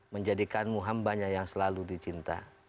menjadikanmu hambanya yang selalu dicinta